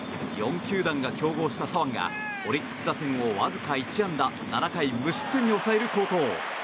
４球団が競合した左腕がオリックス打線をわずか１安打７回無失点に抑える好投。